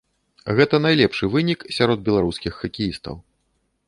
Гэта найлепшы вынік сярод беларускіх хакеістаў.